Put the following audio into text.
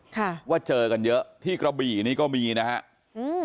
ค่ะว่าเจอกันเยอะที่กระบี่นี่ก็มีนะฮะอืม